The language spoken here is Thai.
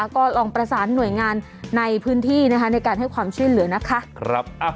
ก็ลองประสานหน่วยงานในพื้นที่นะคะในการให้ความช่วยเหลือนะคะ